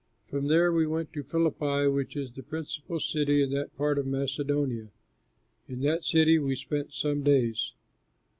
From there we went to Philippi, which is the principal city in that part of Macedonia. In that city we spent some days.